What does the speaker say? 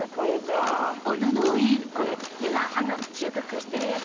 これ今収穫してるやつ？